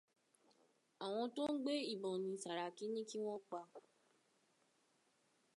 Àwọn tó ń gbé ìbọn ni Sàràkí ní kí wọ́n pa.